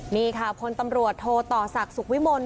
นี่ค่ะพลตำรวจโทต่อศักดิ์สุขวิมล